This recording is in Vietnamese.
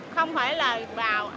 không phải là vào